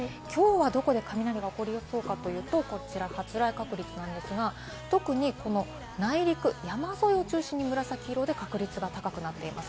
きょうはどこで雷が起こりそうかというと、こちら発雷の確率なんですが、特に内陸、山沿いを中心に紫色で確率が高くなっています。